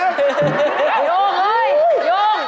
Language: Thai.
โยงเอ้ยโยง